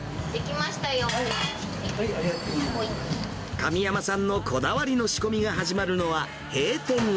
神山さんのこだわりの仕込みが始まるのは閉店後。